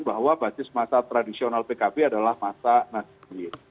bahwa basis masa tradisional pkp adalah masa nasib